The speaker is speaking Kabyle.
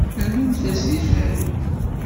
Rrnumt-as deg tehri.